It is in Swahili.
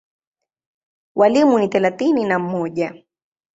Walimu ni thelathini na mmoja.